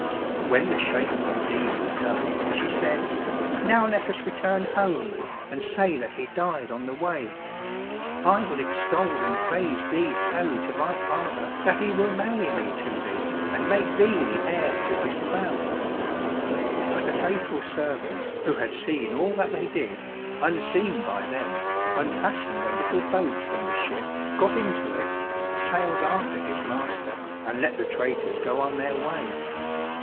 When the shameful deed was done, she said, "Now let us return home, and say that he died on the way. I will extol and praise thee so to my father that he will marry me to thee, and make thee the heir to his crown." But the faithful servant who had seen all that they did, unseen by them, unfastened a little boat from the ship, got into it, sailed after his master, and let the traitors go on their way.